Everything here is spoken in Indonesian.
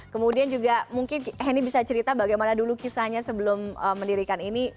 kemudian juga mungkin henny bisa cerita bagaimana dulu kisahnya sebelum mendirikan ini